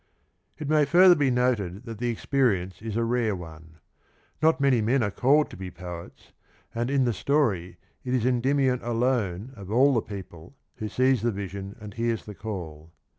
It may further be noted that the experience is a rare one. Not many men are called to His isolation. ]jq pocts, and iu the story it is Endymion alone of all the people who sees the vision and hears the call.